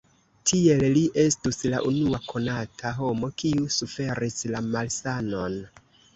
Tiel li estus la unua konata homo kiu suferis la malsanon.